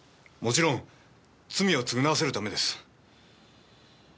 もちろん罪を償わせるためです。